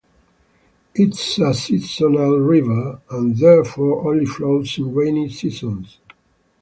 It is a seasonal river, and therefore only flows in rainy seasons.